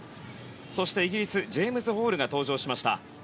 そしてイギリスジェームズ・ホールが登場しました。